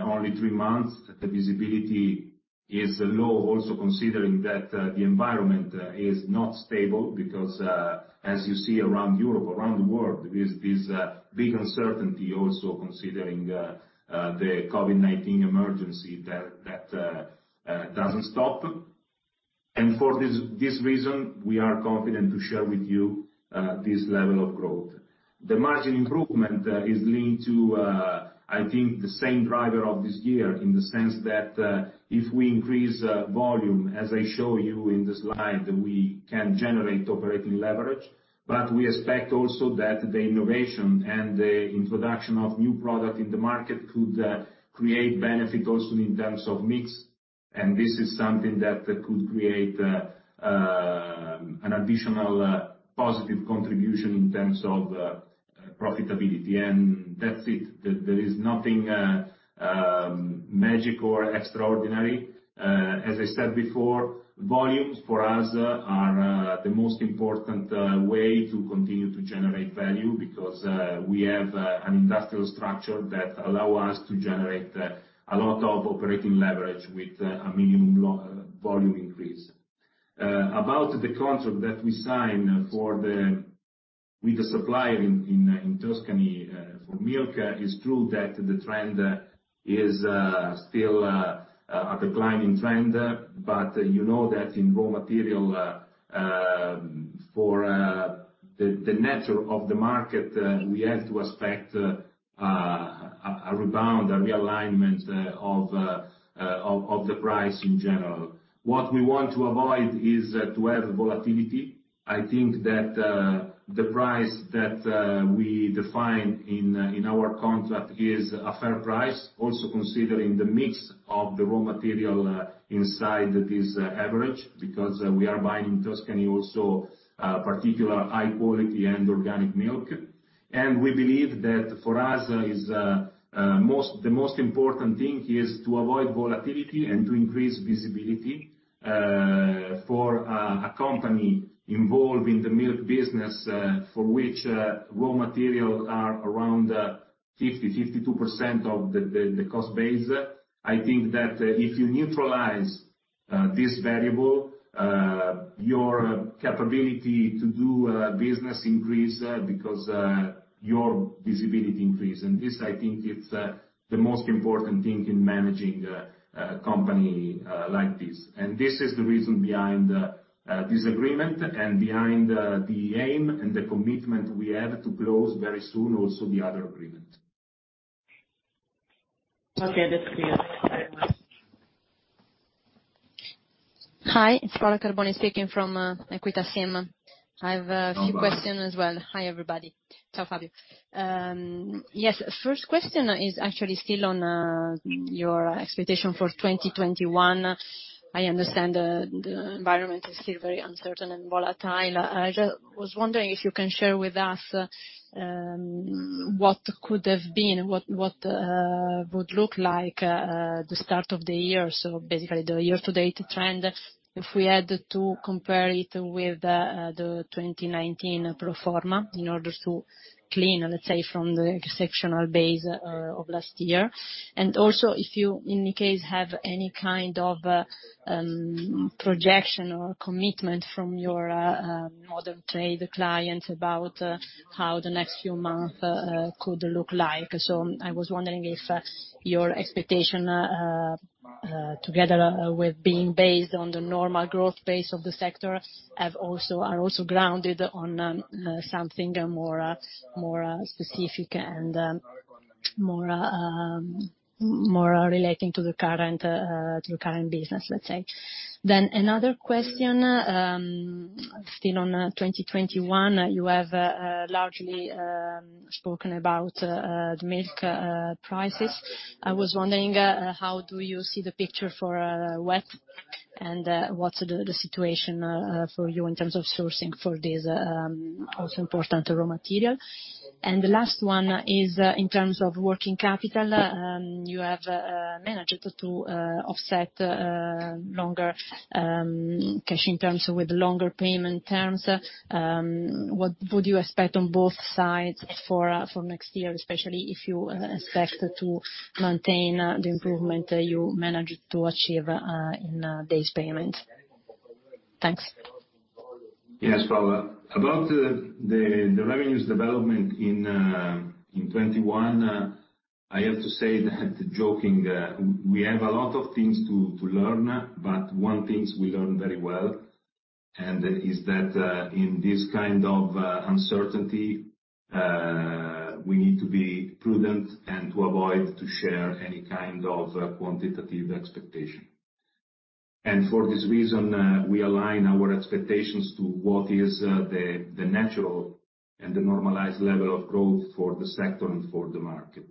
only three months. The visibility is low, also considering that the environment is not stable because, as you see around Europe, around the world, there is this big uncertainty, also considering the COVID-19 emergency that doesn't stop. For this reason, we are confident to share with you this level of growth. The margin improvement is linked to, I think, the same driver of this year in the sense that if we increase volume, as I show you in the slide, we can generate operating leverage. But we expect also that the innovation and the introduction of new products in the market could create benefit also in terms of mix. And this is something that could create an additional positive contribution in terms of profitability. And that's it. There is nothing magic or extraordinary. As I said before, volumes for us are the most important way to continue to generate value because we have an industrial structure that allows us to generate a lot of operating leverage with a minimum volume increase. About the contract that we signed with the supplier in Tuscany for milk, it's true that the trend is still a declining trend. You know that in raw material, for the nature of the market, we have to expect a rebound, a realignment of the price in general. What we want to avoid is to have volatility. I think that the price that we define in our contract is a fair price, also considering the mix of the raw material inside this average because we are buying in Tuscany also particular high-quality and organic milk. We believe that for us, the most important thing is to avoid volatility and to increase visibility for a company involved in the milk business for which raw materials are around 50%-52% of the cost base. I think that if you neutralize this variable, your capability to do business increases because your visibility increases. This, I think, is the most important thing in managing a company like this. This is the reason behind this agreement and behind the aim and the commitment we have to close very soon also the other agreement. Hi, it's Paola Carboni speaking from Equita SIM. I have a few questions as well. Hi, everybody. Fabio. Yes, first question is actually still on your expectation for 2021. I understand the environment is still very uncertain and volatile. I was wondering if you can share with us what could have been, what would look like the start of the year, so basically the year-to-date trend, if we had to compare it with the 2019 pro forma in order to clean, let's say, from the exceptional base of last year. And also, if you, in any case, have any kind of projection or commitment from your modern trade clients about how the next few months could look like. So I was wondering if your expectation, together with being based on the normal growth base of the sector, are also grounded on something more specific and more relating to the current business, let's say. Then another question, still on 2021, you have largely spoken about the milk prices. I was wondering, how do you see the picture for whey? And what's the situation for you in terms of sourcing for this also important raw material? And the last one is in terms of working capital. You have managed to offset longer cash-in terms with longer payment terms. What would you expect on both sides for next year, especially if you expect to maintain the improvement you managed to achieve in payables? Thanks. Yes, Paola. About the revenues development in 2021, I have to say that joking, we have a lot of things to learn, but one thing we learned very well is that in this kind of uncertainty, we need to be prudent and to avoid sharing any kind of quantitative expectation. For this reason, we align our expectations to what is the natural and the normalized level of growth for the sector and for the market.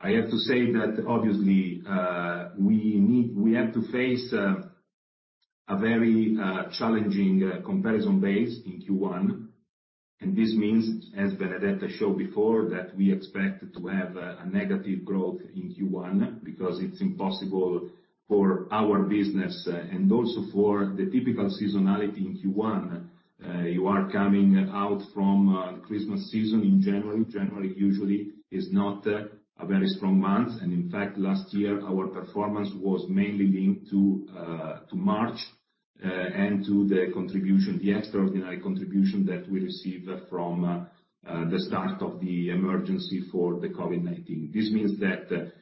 I have to say that, obviously, we have to face a very challenging comparison base in Q1. This means, as Benedetta showed before, that we expect to have a negative growth in Q1 because it's impossible for our business and also for the typical seasonality in Q1. You are coming out from Christmas season in January. January usually is not a very strong month. In fact, last year, our performance was mainly linked to March and to the contribution, the extraordinary contribution that we received from the start of the emergency for the COVID-19. This means that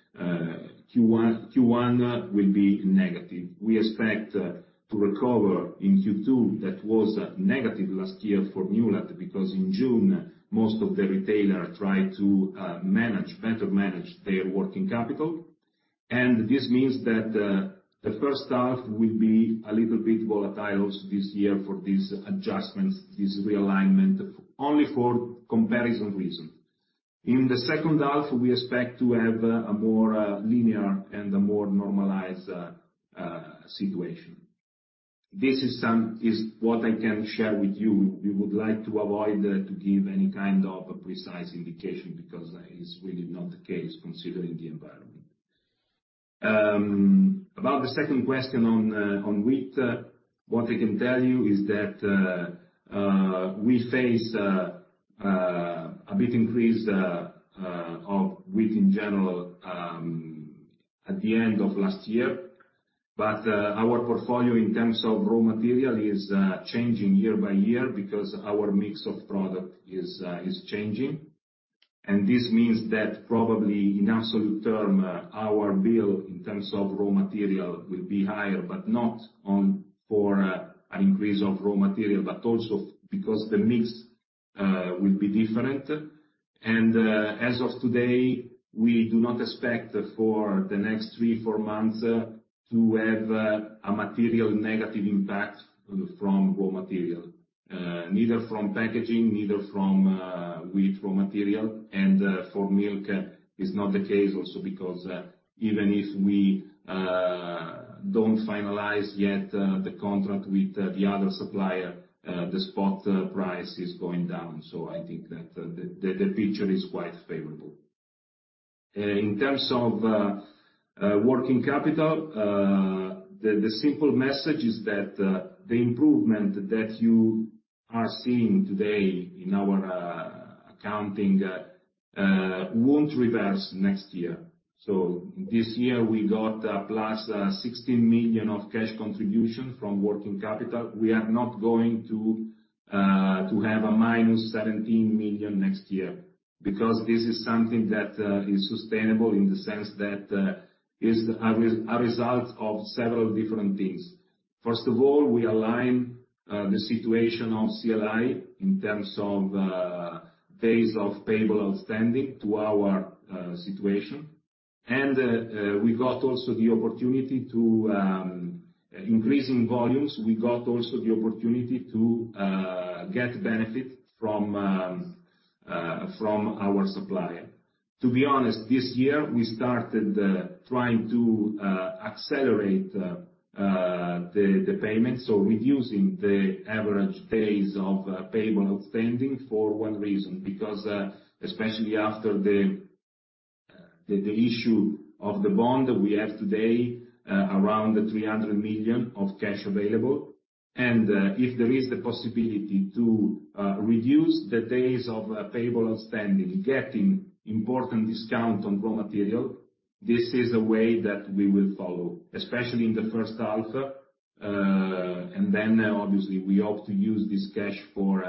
Q1 will be negative. We expect to recover in Q2 that was negative last year for Newlat because in June, most of the retailers tried to better manage their working capital. This means that the first half will be a little bit volatile also this year for these adjustments, this realignment, only for comparison reasons. In the second half, we expect to have a more linear and a more normalized situation. This is what I can share with you. We would like to avoid giving any kind of precise indication because it's really not the case considering the environment. About the second question on wheat, what I can tell you is that we face a big increase of wheat in general at the end of last year. But our portfolio in terms of raw material is changing year by year because our mix of product is changing. And this means that probably in absolute term, our bill in terms of raw material will be higher, but not for an increase of raw material, but also because the mix will be different. And as of today, we do not expect for the next three, four months to have a material negative impact from raw material, neither from packaging, neither from wheat raw material. And for milk, it's not the case also because even if we don't finalize yet the contract with the other supplier, the spot price is going down. So I think that the picture is quite favorable. In terms of working capital, the simple message is that the improvement that you are seeing today in our accounting won't reverse next year. So this year, we got plus 16 million of cash contribution from working capital. We are not going to have a minus 17 million next year because this is something that is sustainable in the sense that it's a result of several different things. First of all, we align the situation of CLI in terms of days of payable outstanding to our situation. And we got also the opportunity to increase in volumes. We got also the opportunity to get benefit from our supplier. To be honest, this year, we started trying to accelerate the payment, so reducing the average days of payable outstanding for one reason, because especially after the issue of the bond that we have today, around 300 million of cash available. If there is the possibility to reduce the days payable outstanding, getting important discount on raw material, this is a way that we will follow, especially in the first half. Obviously, we hope to use this cash for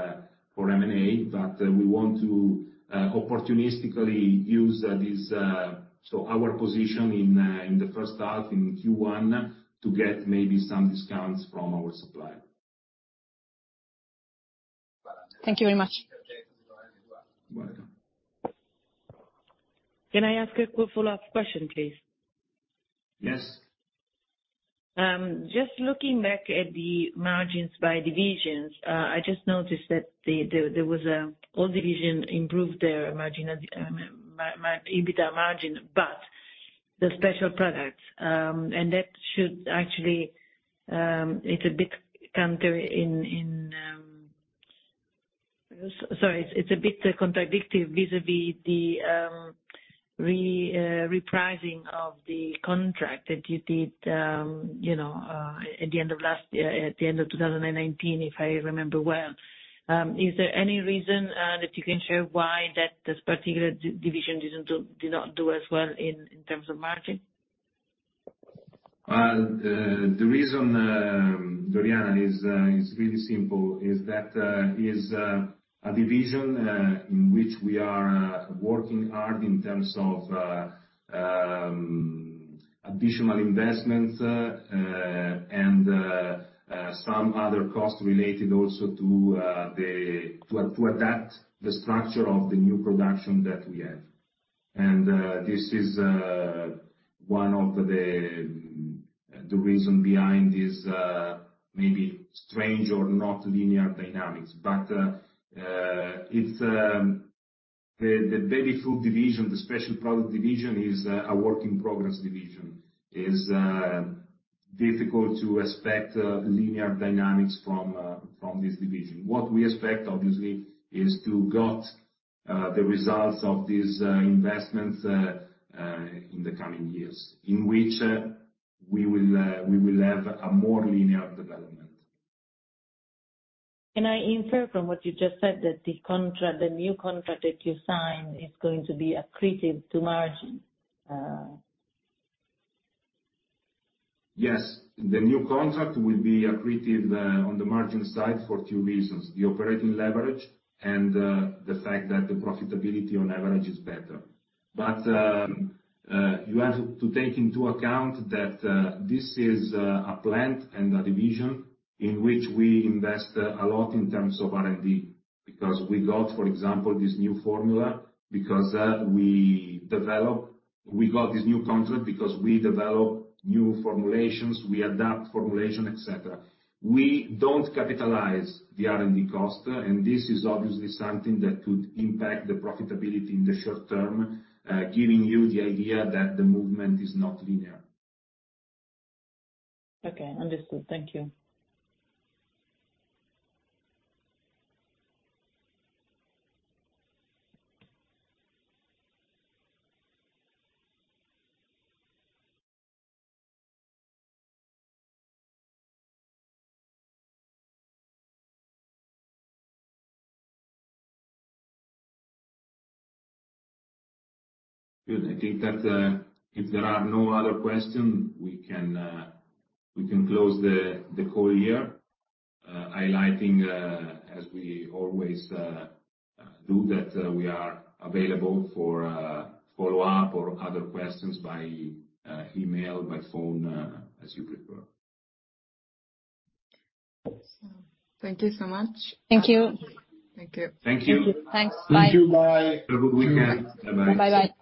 M&A, but we want to opportunistically use our position in the first half, in Q1, to get maybe some discounts from our supplier. Thank you very much. Can I ask a follow-up question, please? Yes. Just looking back at the margins by divisions, I just noticed that there was a whole division improved their EBITDA margin, but the special products, and that should actually be a bit counterintuitive, sorry, it's a bit contradictory vis-à-vis the repricing of the contract that you did at the end of last year, at the end of 2019, if I remember well. Is there any reason that you can share why that particular division did not do as well in terms of margin? The reason, Doriana, is really simple. It's a division in which we are working hard in terms of additional investments and some other costs related also to adapt the structure of the new production that we have. And this is one of the reasons behind this maybe strange or not linear dynamics. But the baby food division, the special product division, is a work in progress division. It's difficult to expect linear dynamics from this division. What we expect, obviously, is to get the results of these investments in the coming years in which we will have a more linear development. Can I infer from what you just said that the new contract that you signed is going to be accretive to margin? Yes. The new contract will be accretive on the margin side for two reasons: the operating leverage and the fact that the profitability on average is better. But you have to take into account that this is a plant and a division in which we invest a lot in terms of R&D because we got, for example, this new formula because we developed this new contract because we develop new formulations, we adapt formulations, etc. We don't capitalize the R&D cost, and this is obviously something that could impact the profitability in the short term, giving you the idea that the movement is not linear. Okay. Understood. Thank you. Good. I think that if there are no other questions, we can close the whole year, highlighting, as we always do, that we are available for follow-up or other questions by email, by phone, as you prefer. Thank you so much. Thank you. Thank you. Thank you. Thanks. Bye. Thank you. Bye. Have a good weekend. Bye-bye. Bye-bye.